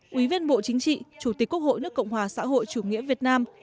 quý viên bộ chính trị chủ tịch quốc hội nước cộng hòa xã hội chủ nghĩa việt nam